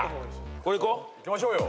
これいこう。いきましょうよ。